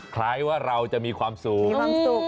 คล้ายว่าเราจะมีความสุข